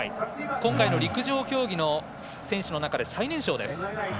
今回の陸上競技の選手の中で最年少です。